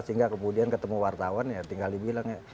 sehingga kemudian ketemu wartawan ya tinggal dibilang ya